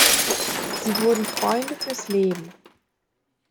Sie wurden Freunde fürs Leben.